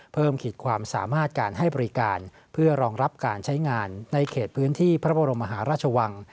ขีดความสามารถการให้บริการเพื่อรองรับการใช้งานในเขตพื้นที่พระบรมมหาราชวัง